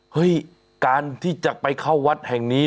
เฮ้ยการที่จะไปเข้าวัดแห่งนี้